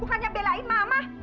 bukannya belain mama